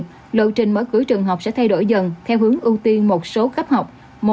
tuy nhiên lộ trình mở cửa trường học sẽ thay đổi dần theo hướng ưu tiên một số cấp học